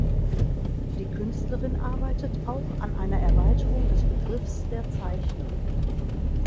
Die Künstlerin arbeitet auch an einer Erweiterung des Begriffs der Zeichnung.